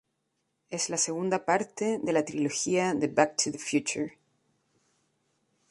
Es la segunda parte de la trilogía de "Back to the Future".